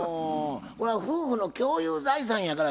これは夫婦の共有財産やからですね